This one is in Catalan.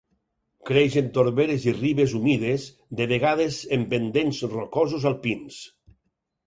Creix en torberes i ribes humides, de vegades en pendents rocosos alpins.